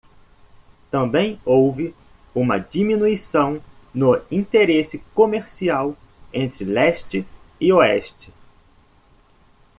Também houve uma diminuição no interesse comercial entre leste e oeste.